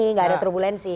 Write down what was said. tidak ada turbulensi